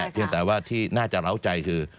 เพียงแต่ว่าที่น่าจะเล้าใจคือ